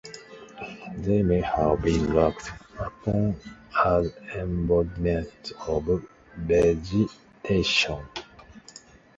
They may have been looked upon as embodiments of vegetation.